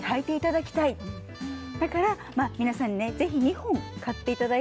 だから皆さんにねぜひ２本買って頂いて。